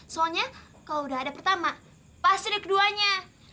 soalnya kalau udah ada pertama pasti ada keduanya